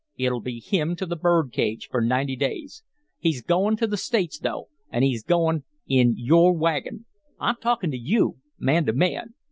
It 'll be him to the bird cage for ninety days. He's goin' to the States, though, an' he's goin' in your wagon! I'm talkin' to you man to man.